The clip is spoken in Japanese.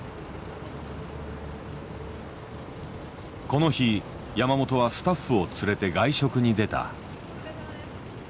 この日山本はスタッフを連れて外食に出た。